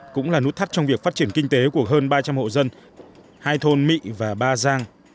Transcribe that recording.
cũng là nút thắt trong việc phát triển kinh tế của hơn ba trăm linh hộ dân hai thôn mỹ và ba giang